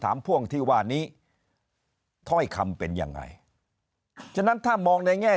พ่วงที่ว่านี้ถ้อยคำเป็นยังไงฉะนั้นถ้ามองในแง่